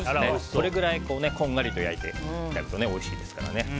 これくらい、こんがりと焼くとおいしいですからね。